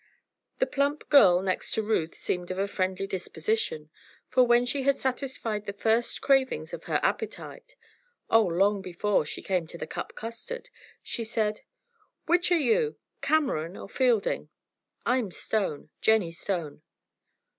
The plump girl next to Ruth seemed of a friendly disposition, for when she had satisfied the first cravings of her appetite oh, long before she came to the cup custard! she said: "Which are you Cameron, or Fielding? I'm Stone Jennie Stone."